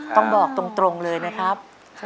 ต้องบอกตรงเลยนะครับ